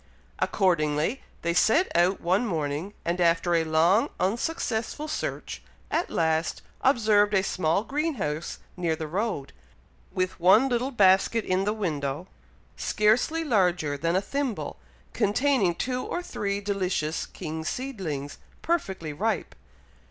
Accordingly, they set out one morning; and after a long, unsuccessful search, at last observed a small green house near the road, with one little basket in the window, scarcely larger than a thimble, containing two or three delicious King seedlings, perfectly ripe.